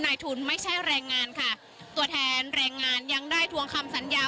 นายทุนไม่ใช่แรงงานค่ะตัวแทนแรงงานยังได้ทวงคำสัญญา